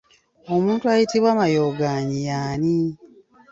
Omuntu ayitibwa mayogaanyi y'ani?